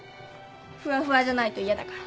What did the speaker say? ふわふわじゃないと嫌だから。